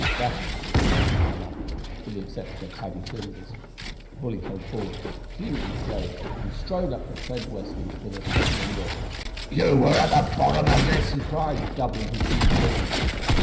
Gashford was the last to come up, with the exception of Paddy Flinders. The bully came forward, fuming with rage, and strode up to Fred Westly with a threatening look. "You were at the bottom of this!" he cried, doubling his huge fist.